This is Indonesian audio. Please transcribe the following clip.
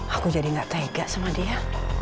aku jadi gak tega sama dia